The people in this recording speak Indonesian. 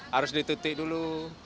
harus ditutik dulu